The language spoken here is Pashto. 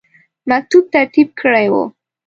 مکتوب ترتیب کړی وو.